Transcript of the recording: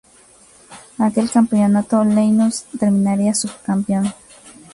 Aquel campeonato Lanús terminaría subcampeón.